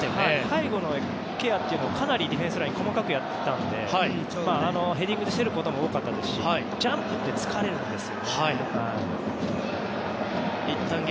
背後のケアというのをディフェンスラインでかなり細かくやっていたのでヘディングを見せることも多かったですしジャンプって疲れるんですよ。